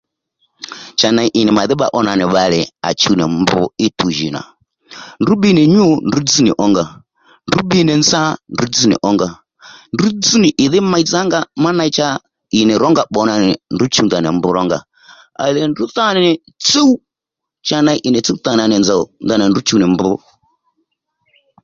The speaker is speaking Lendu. Cha ney ì nì madí bbá ó nà nì bbalè à chuw nì mb í tuw jì nà ndrǔ bbi nì nyû ndrǔ dzź nì ǒnga ndrǔ bbi nì nza ndrǔ dzz nì ǒnga ndrǔ dzz nì ìdhí meydza ónga ney cha ì nì rǒnga pbǒ nà nì ndrǔ chuw ndanà mb rónga à lè ndrǔ tha ní tsúw cha ney ì nì tsúw thǎ nǎ nì nzòw ndanà ndrǔ chuw nì mb